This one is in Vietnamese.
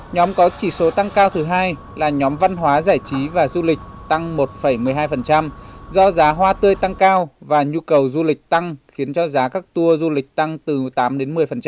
nhóm có chỉ số tăng cao thứ hai là nhóm văn hóa giải trí và du lịch tăng một một mươi hai do giá hoa tươi tăng cao và nhu cầu du lịch tăng khiến cho giá các tour du lịch tăng từ tám đến một mươi